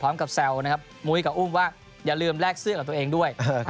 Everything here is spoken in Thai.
แซวนะครับมุ้ยกับอุ้มว่าอย่าลืมแลกเสื้อกับตัวเองด้วย